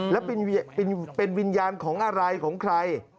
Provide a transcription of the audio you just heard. แล้วเป็นวิญญาณของอะไรของใคร